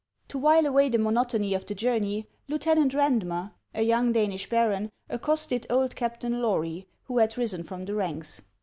To while away the monotony of the journey, Lieutenant Eandmer, a young Danish baron, accosted old Captain Lory, who had risen from the ranks.